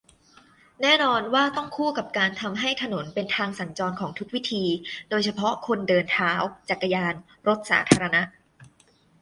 แน่นอนว่าต้องคู่กับการทำให้ถนนเป็นทางสัญจรของทุกวิธี โดยเฉพาะคนเดินท้า จักรยาน รถสาธารณะ